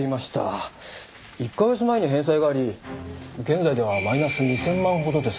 １カ月前に返済があり現在ではマイナス２０００万ほどです。